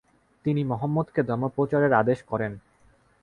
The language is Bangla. তিনি মহম্মদকে ধর্ম প্রচারের আদেশ করেন।